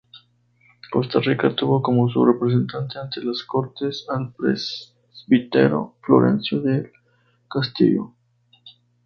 Costa Rica tuvo como su representante ante las Cortes al presbítero Florencio del Castillo.